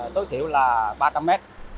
tối thiểu là ba trăm linh m